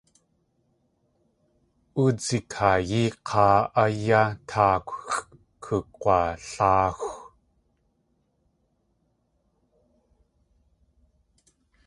Oodzikaayi k̲áa áyá táakwxʼ gug̲waláaxw.